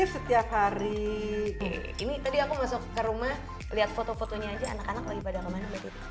setiap hari ini tadi aku masuk ke rumah lihat foto fotonya aja anak anak lagi pada kemana